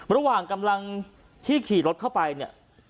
ระหว่างกำลังที่ขี่รถเข้าไปเนี่ย